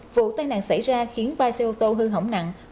vụ tai nạn xảy ra khiến ba xe ô tô hư hỏng nặng